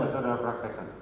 buat saudara praktek kan